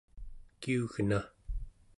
kiugna